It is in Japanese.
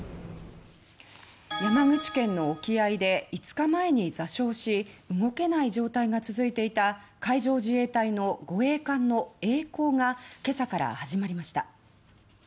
山口県の沖合で５日前に座礁し動けない状態が続いていた海上自衛隊の護衛艦のえい航がけさから始まりました。